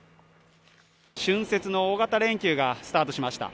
春節の大型連休がスタートしました。